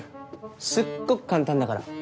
すっごく簡単だから。